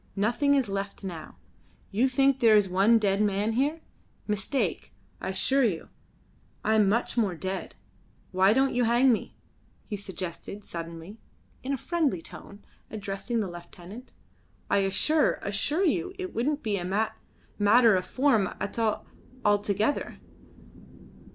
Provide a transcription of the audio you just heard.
Nothing is left now. You think there is one dead man here? Mistake, I 'sure you. I am much more dead. Why don't you hang me?" he suggested suddenly, in a friendly tone, addressing the lieutenant. "I assure, assure you it would be a mat matter of form altog altogether."